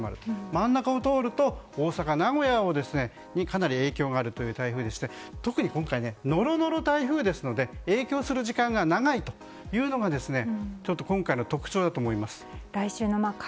真ん中を通ると大阪、名古屋にかなり影響がある台風でして特に今回、ノロノロ台風ですので影響する時間が長いというのが今回の特徴だと思います。